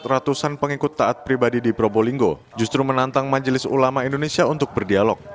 ratusan pengikut taat pribadi di probolinggo justru menantang majelis ulama indonesia untuk berdialog